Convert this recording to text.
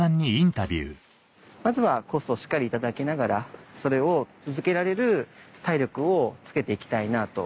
まずはコストをしっかり頂きながらそれを続けられる体力をつけていきたいなと。